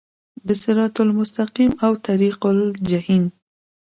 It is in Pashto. د صراط المستقیم او طریق الجحیم